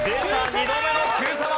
２度目のＱさま！！